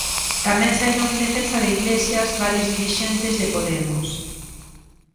Tamén saíron en defensa de Iglesias varios dirixentes de Podemos.